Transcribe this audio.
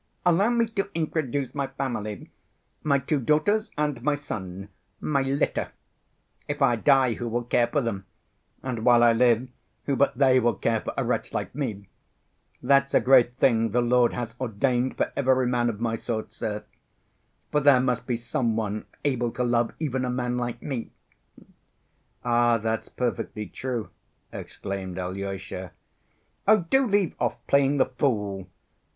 Allow me to introduce my family, my two daughters and my son—my litter. If I die, who will care for them, and while I live who but they will care for a wretch like me? That's a great thing the Lord has ordained for every man of my sort, sir. For there must be some one able to love even a man like me." "Ah, that's perfectly true!" exclaimed Alyosha. "Oh, do leave off playing the fool!